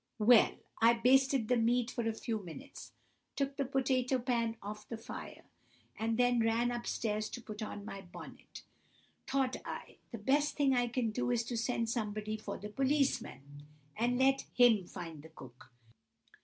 "Well! I basted the meat for a few minutes, took the potatoe pan off the fire, and then ran up stairs to put on my bonnet. Thought I, the best thing I can do is to send somebody for the policeman, and let him find the cook.